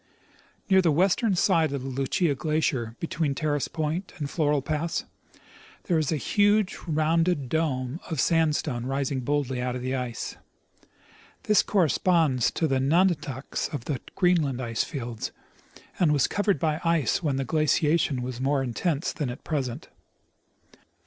Near the western side of the Lucia glacier, between Terrace point and Floral pass, there is a huge rounded dome of sand stone rising boldly out of the ice. This corresponds to the " nun ataks " of the Greenland ice fields, aiid was covered by ice when the glaciation was more intense than at present.